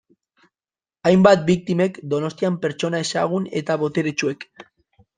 Hainbat biktimek Donostian pertsona ezagun eta boteretsuek.